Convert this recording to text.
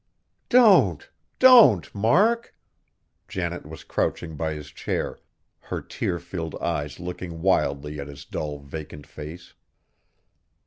"Don't! don't! Mark." Janet was crouching by his chair, her tear filled eyes looking wildly at his dull, vacant face.